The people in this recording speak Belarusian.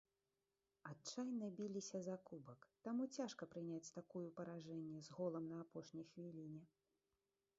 Адчайна біліся за кубак, таму цяжка прыняць такую паражэнне, з голам на апошняй хвіліне.